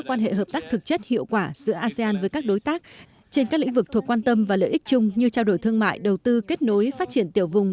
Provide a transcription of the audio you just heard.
quan hệ hợp tác thực chất hiệu quả giữa asean với các đối tác trên các lĩnh vực thuộc quan tâm và lợi ích chung như trao đổi thương mại đầu tư kết nối phát triển tiểu vùng